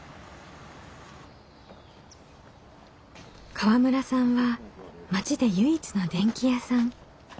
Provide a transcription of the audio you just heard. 河村さんは町で唯一の電気屋さん。